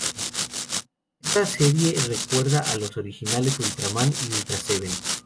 Esta serie recuerda a los originales Ultraman y Ultra Seven.